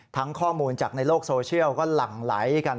ข้อมูลจากในโลกโซเชียลก็หลั่งไหลกัน